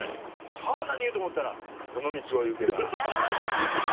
さあ何言う？と思ったら「この道を行けばどうなる」。